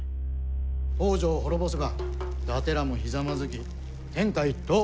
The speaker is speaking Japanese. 北条を滅ぼせば伊達らもひざまずき天下一統。